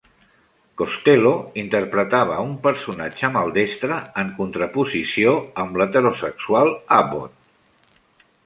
Costello interpretava un personatge maldestre, en contraposició amb l'heterosexual Abbott.